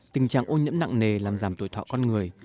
tình trạng ô nhiễm nặng nề làm giảm tuổi thọ con người